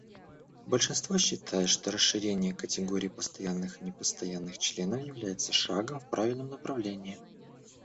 Большинство считает, что расширение категории постоянных и непостоянных членов является шагом в правильном направлении.